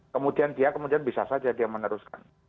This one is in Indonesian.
kemudian dia kemudian bisa saja dia meneruskan